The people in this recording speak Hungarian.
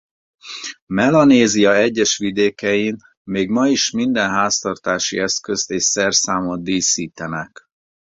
Melanézia egyes vidékein még ma is minden háztartási eszközt és szerszámot díszítenek.